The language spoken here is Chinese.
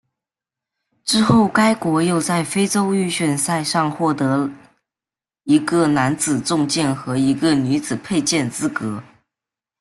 之后该国又在非洲预选赛上获得一个男子重剑和一个女子佩剑资格。